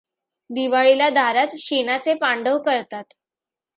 दिवाळीला दारात शेणाचे पांडव करतात.